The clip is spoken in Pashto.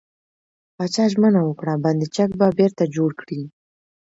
پاچا ژمنه وکړه، بند چک به بېرته جوړ کړي .